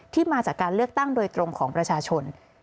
มาจากการเลือกตั้งโดยตรงของประชาชน